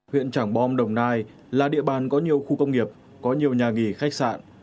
huyện trảng bom đồng nai là địa bàn có nhiều khu công nghiệp có nhiều nhà nghỉ khách sạn